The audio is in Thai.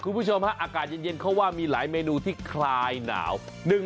คุณผู้ชมฮะอากาศเย็นเขาว่ามีหลายเมนูที่คลายหนาว